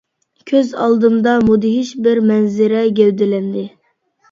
كۆز ئالدىمدا مۇدھىش بىر مەنزىرە گەۋدىلەندى.